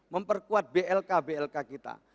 memperkuat blk blk kita